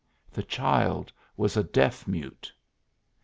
The child was a deaf mute.